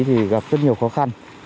thì gặp rất nhiều khó khăn